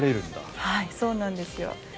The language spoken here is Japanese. そうなんですよ。